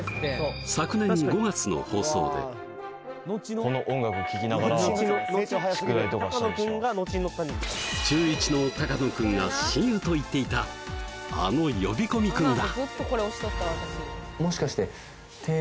これ中１の高野君が「親友」と言っていたあの呼び込み君だ